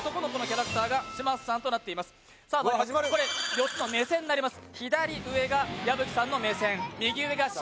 ４つの目線になります。